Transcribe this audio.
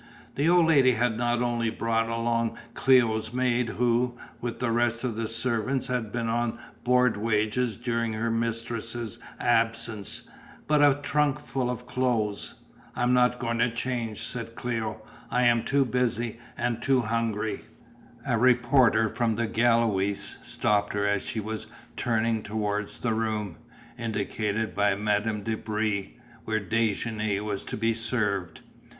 The old lady had not only brought along Cléo's maid who, with the rest of the servants, had been on board wages during her mistress's absence, but a trunk full of clothes. "I am not going to change," said Cléo, "I am too busy and too hungry " A reporter from the Gaulois stopped her as she was turning towards the room, indicated by Madame de Brie, where déjeuner was to be served.